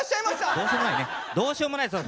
どうしようもないね。